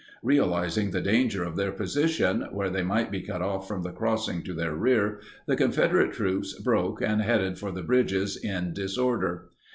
Realizing the danger of their position, where they might be cut off from the crossing to their rear, the Confederate troops broke and headed for the bridges in disorder.